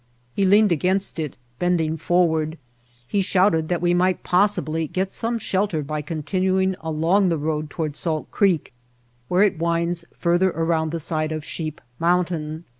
He leaned against it bending forward. He shouted that we might possibly get some shelter by continuing along the road toward Salt Creek, where it winds further around the side of Sheep Mountain.